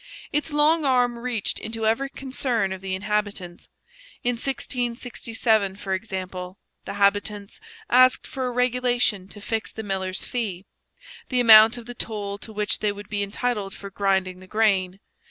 Its long arm reached into every concern of the inhabitants. In 1667, for example, the habitants asked for a regulation to fix the millers' fee the amount of the toll to which they would be entitled for grinding the grain.